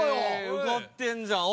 受かってんじゃん。